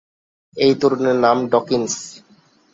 এই তরুণের নাম ডকিন্স।